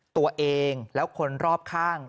ตัวเองแล้วคนรอบข้าง